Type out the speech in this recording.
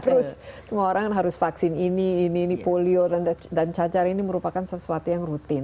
terus semua orang harus vaksin ini ini polio dan cacar ini merupakan sesuatu yang rutin